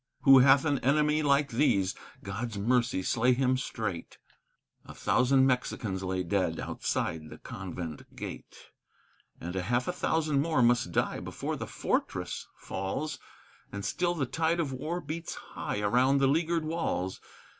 Who hath an enemy like these, God's mercy slay him straight! A thousand Mexicans lay dead outside the convent gate, And half a thousand more must die before the fortress falls, And still the tide of war beats high around the leaguered walls.